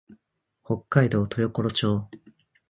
北海道豊頃町